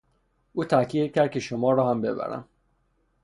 او تاکید کرد که شما را هم ببرم.